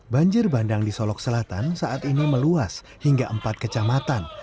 banjir bandang di solok selatan saat ini meluas hingga empat kecamatan